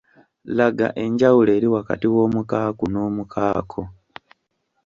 Laga enjawulo eri wakati w'omukaaku n'omukaako?